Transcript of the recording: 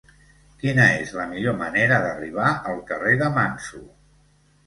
Quina és la millor manera d'arribar al carrer de Manso?